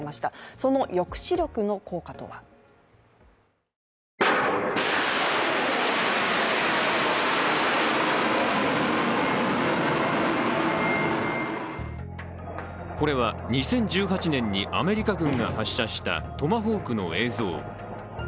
その抑止力の効果とはこれは２０１８年にアメリカ軍が発射したトマホークの映像。